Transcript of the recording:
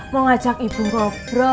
mau ngajak ibu gopro